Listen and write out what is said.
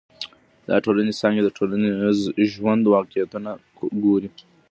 دا ټولي څانګي د ټولنیز ژوند واقعیتونه ګوري.